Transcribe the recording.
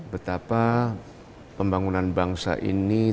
betapa pembangunan bangsa ini